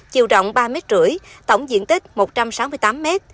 chiều rộng ba năm m tổng diện tích một trăm sáu mươi tám m